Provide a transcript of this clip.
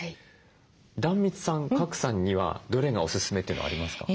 壇蜜さん賀来さんにはどれがおすすめっていうのありますか？